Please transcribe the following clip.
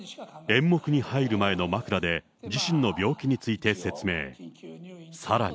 演目に入る前のまくらで、自身の病気について説明。